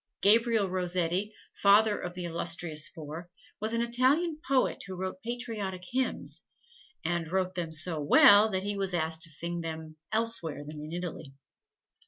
Gabriel Rossetti, father of the illustrious four, was an Italian poet who wrote patriotic hymns, and wrote them so well that he was asked to sing them elsewhere than in Italy.